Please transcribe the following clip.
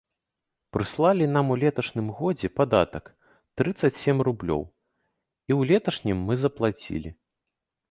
Прыслалі нам у леташнім годзе падатак трыццаць сем рублёў, і ў леташнім мы заплацілі.